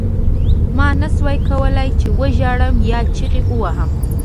ما نشول کولای چې وژاړم یا چیغې ووهم